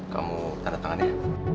kamu tanda tangannya